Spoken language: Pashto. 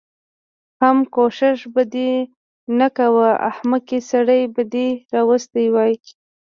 حم کوشش به دې نه کوه احمقې سړی به دې راوستی و.